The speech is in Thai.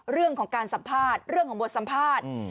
เรื่องของการสัมภาษณ์เรื่องของบทสัมภาษณ์